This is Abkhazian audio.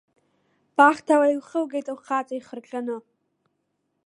Бахҭала илхылгеит лхаҵа ихырҟьаны.